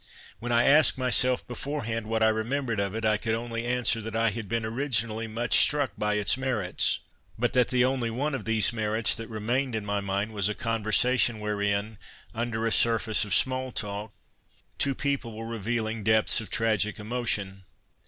When I asked myself beforehand what I remembered of it, I could only answer that I had been originally nnich struck by its merits, but that the only one of these merits that remained in my mind was a conversation wherein, under a surface of small talk, two j)eople were revealing depths of tragic emotion.